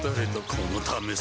このためさ